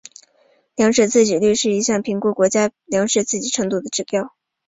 粮食自给率是一项评估国家粮食自给程度的指标。